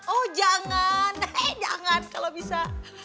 oh jangan eh jangan kalau bisa